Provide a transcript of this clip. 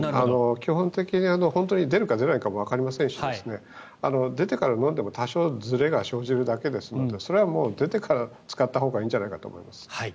基本的に出るか出ないかもわかりませんし出てから飲んでも多少ずれが生じるだけですのでそれはもう出てから使ったほうがいいんじゃないかと思います。